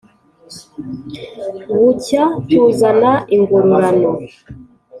bucya tuzana ingororano,